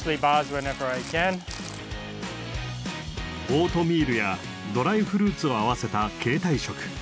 オートミールやドライフルーツを合わせた携帯食。